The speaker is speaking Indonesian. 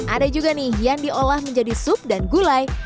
ada juga nih yang diolah menjadi sup dan gulai